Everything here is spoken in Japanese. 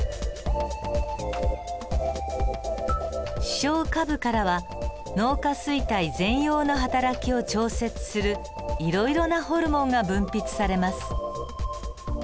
視床下部からは脳下垂体前葉のはたらきを調整するいろいろなホルモンが分泌されます。